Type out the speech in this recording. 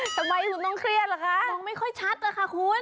ทำไมของต้องเครียดเหรอคะต้องไม่ค่อยชัดเหรอคะคุณ